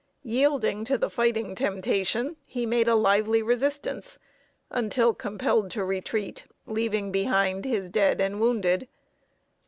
Yielding to the fighting temptation, he made a lively resistance, until compelled to retreat, leaving behind his dead and wounded.